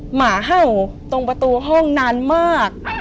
หมาเห่าตรงประตูห้องนานมาก